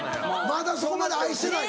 まだそこまで愛してない。